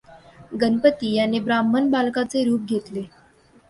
गणपती याने ब्राह्मण बालकाचे रूप घेतले.